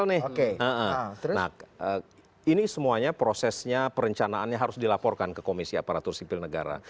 nah ini semuanya prosesnya perencanaannya harus dilaporkan ke komisi aparatur sipil negara